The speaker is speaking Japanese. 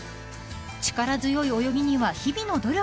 ［力強い泳ぎには日々の努力が］